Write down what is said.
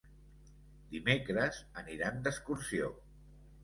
Dimecres aniran d'excursió.